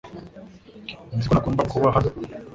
Nzi ko ntagomba kuba hano .